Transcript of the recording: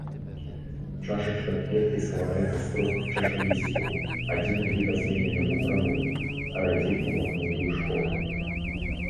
Чашачка кветкі складаецца з трох чашалісцікаў, адзін відазменены ў прамую, радзей увагнутую шпорку.